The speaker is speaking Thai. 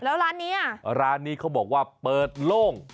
แล้วร้านนี้อ่ะร้านนี้เขาบอกว่าเปิดโล่ง